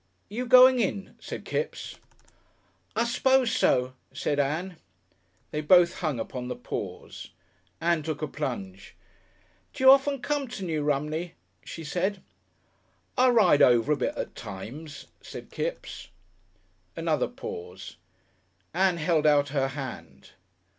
"You going in?" said Kipps. "I s'pose so," said Ann. They both hung upon the pause. Ann took a plunge. "D'you often come to New Romney?" she said. "I ride over a bit at times," said Kipps. Another pause. Ann held out her hand.